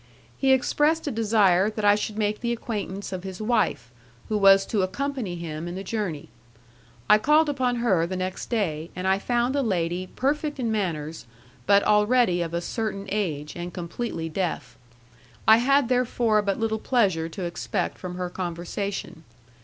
He expressed a desire that I should make the acquaintance of his wife, who was to accompany him in the journey. I called upon her the next day, and I found a lady perfect in manners, but already of a certain age and completely deaf. I had therefore but little pleasure to expect from her conversation.